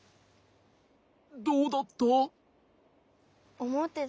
どうだった？